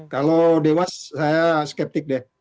kalau dewas saya skeptik deh